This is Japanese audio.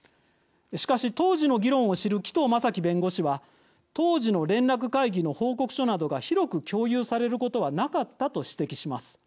しかし、当時の議論を知る紀藤正樹弁護士は当時の連絡会議の報告書などが広く共有されることはなかったと指摘します。